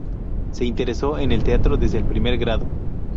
Se interesó en el teatro desde el primer grado.